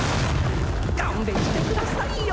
勘弁してくださいよ！